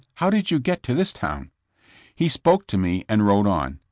how did you get to this town?" He spoke to me and rode on.